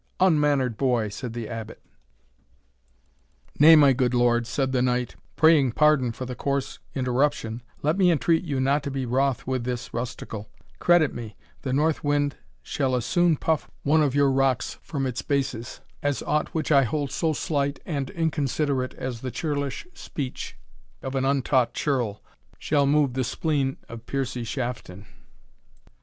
"Unmannered boy!" said the Abbot. "Nay, my good lord," said the knight, "praying pardon for the coarse interruption, let me entreat you not to be wroth with this rustical Credit me, the north wind shall as soon puff one of your rocks from its basis, as aught which I hold so slight and inconsiderate as the churlish speech of an untaught churl, shall move the spleen of Piercie Shafton."